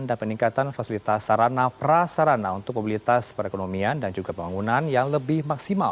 dan peningkatan fasilitas sarana prasarana untuk mobilitas perekonomian dan juga pembangunan yang lebih maksimal